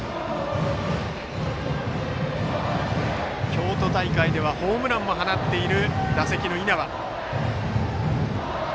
京都大会ではホームランも放っている打席の稲葉。